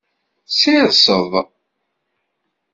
Sirseḍ.